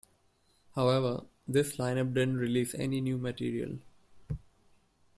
However, this line-up didn't release any new material.